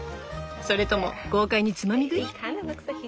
それとも豪快につまみ食い？